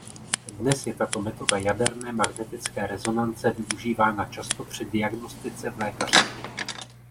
Dnes je tato metoda jaderné magnetické rezonance využívána často při diagnostice v lékařství.